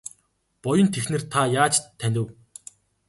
Буянт эхнэр та яаж танив?